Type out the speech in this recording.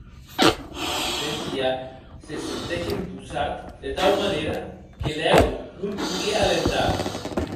Petia se sentec empossat de tau manèra que lèu non podie respirar.